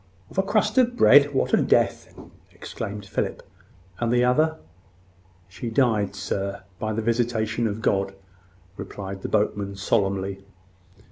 "Of a crust of bread! What a death!" exclaimed Philip. "And the other?" "She died, sir, by the visitation of God," replied the boatman, solemnly.